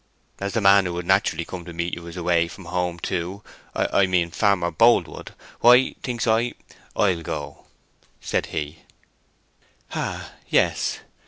"And as the man who would naturally come to meet you is away from home, too—I mean Farmer Boldwood—why, thinks I, I'll go," he said. "Ah, yes."